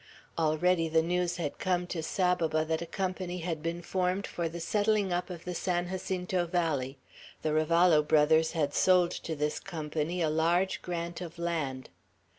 Already the news had come to Saboba that a company had been formed for the settling up of the San Jacinto valley; the Ravallo brothers had sold to this company a large grant of land.